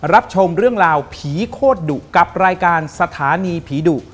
รับชมเรื่องราวผีโคตรดุกับรายการสถานีผีดุ